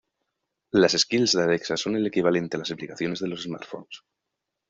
Las skills de Alexa son el equivalente a las aplicaciones de los smartphones.